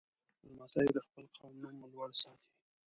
لمسی د خپل قوم نوم لوړ ساتي.